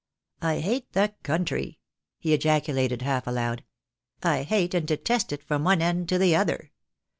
" I hate the country !" he ejaculated, half aloud ; "I hate and detest it from one end to the other.